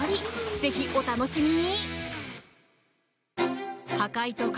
ぜひ、お楽しみに。